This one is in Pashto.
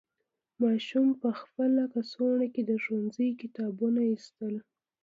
ماشوم په خپل کڅوړه کې د ښوونځي کتابونه ایستل.